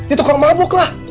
itu kakak mabuk lah